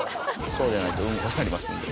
そうじゃないとウンコになりますんで。